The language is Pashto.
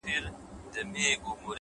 پوه انسان د زده کړې سفر نه بندوي.!